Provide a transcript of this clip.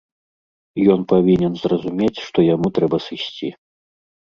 Ён павінен зразумець, што яму трэба сысці.